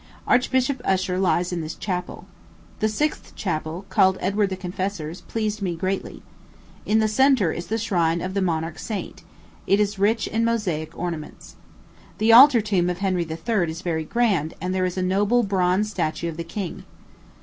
Archbishop Usher lies in this chapel. The sixth chapel, called Edward the Confessor's, pleased me greatly. In the centre is the shrine of the monarch saint; it is rich in mosaic adornments. The altar tomb of Henry III. is very grand, and there is a noble bronze statue of the king.